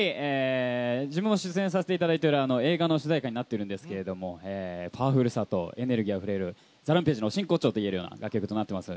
自分の出演させていただいている映画の主題歌になっているんですがパワフルさとエネルギーあふれるＴＨＥＲＡＭＰＡＧＥの真骨頂といえる曲だと思います。